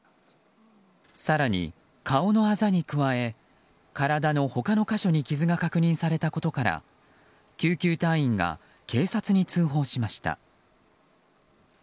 更に、顔のあざに加え体の他の箇所に傷が確認されたことから救急隊員が警察に通報しました。